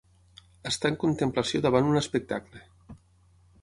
Estar en contemplació davant un espectacle.